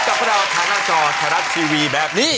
พบกับพระเด้าทางหน้าจอทะลัดทีวีแบบนี้